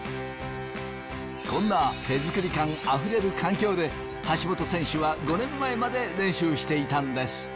こんな手作り感あふれる環境で橋本選手は５年前まで練習していたんです。